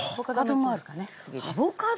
アボカド！